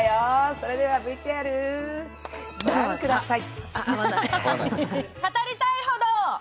それではＶＴＲ、ご覧ください。